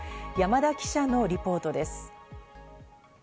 山田記者のリポートです。